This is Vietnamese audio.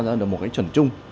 rồi một cái chuẩn chung